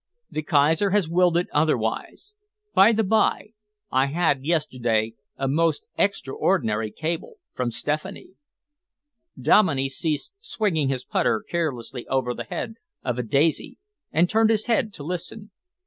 The Kaiser has willed it otherwise. By the by, I had yesterday a most extraordinary cable from Stephanie." Dominey ceased swinging his putter carelessly over the head of a daisy and turned his head to listen.